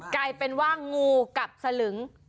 กลายเป็นว่างูกับสลึง